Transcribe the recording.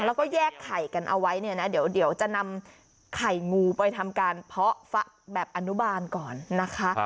แล้วก็แยกไข่กันเอาไว้เนี่ยนะเดี๋ยวจะนำไข่งูไปทำการเพาะฟักแบบอนุบาลก่อนนะคะ